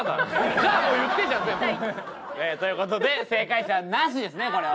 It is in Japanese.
じゃあもう言ってんじゃん全部！という事で正解者はなしですねこれは。